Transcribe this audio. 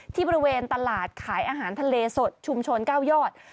ที่บริเวณตลาดขายอาหารทะเลสดชุมชน๙ยอด